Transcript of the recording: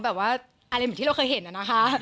แบบว่าอะไรเหมือนที่เราเคยเห็นนะคะ